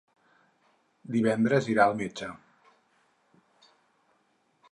Divendres irà al metge.